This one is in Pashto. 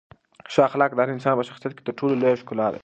ښه اخلاق د هر انسان په شخصیت کې تر ټولو لویه ښکلا ده.